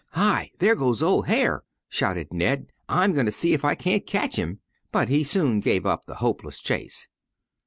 "Hi! there goes 'ol' Hyar'!'" shouted Ned; "I'm going to see if I can't catch him." But he soon gave up the hopeless chase.